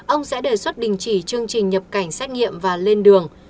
ông sẽ đề xuất đình chỉ chương trình nhập cảnh xét nghiệm và lên đường